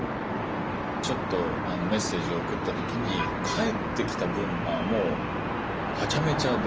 ちょっとメッセージを送った時に返ってきた文がもうハチャメチャで。